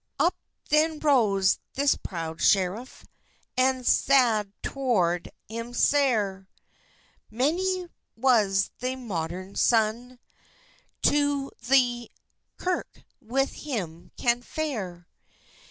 Vp then rose this prowd schereff, And zade towarde hym zare; Many was the modur son To the kyrk with him can fare.